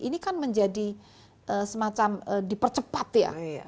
ini kan menjadi semacam dipercepat ya